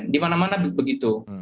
di mana mana begitu